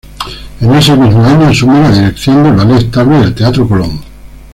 En ese mismo año asume la dirección del Ballet Estable del Teatro Colón.